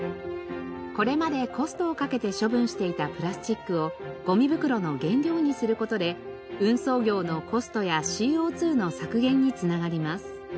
これまでコストをかけて処分していたプラスチックをごみ袋の原料にする事で運送業のコストやＣＯ２の削減に繋がります。